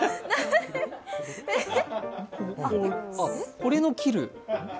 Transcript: これの切る？